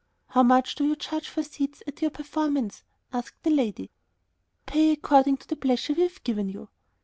"How much do you charge for seats at your performance?" asked the lady. "You pay according to the pleasure we have given you."